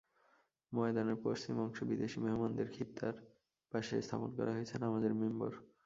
ময়দানের পশ্চিম অংশে বিদেশি মেহমানদের খিত্তার পাশে স্থাপন করা হয়েছে নামাজের মিম্বর।